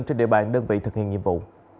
trên địa bàn đơn vị thực hiện nhiệm vụ